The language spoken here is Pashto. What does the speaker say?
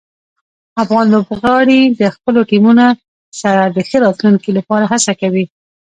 افغان لوبغاړي د خپلو ټیمونو سره د ښه راتلونکي لپاره هڅه کوي.